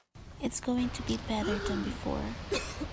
It is going to be better than before.